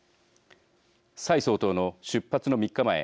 蔡総統の出発の３日前